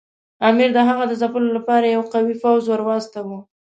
امیر د هغه د ځپلو لپاره یو قوي پوځ ورواستاوه.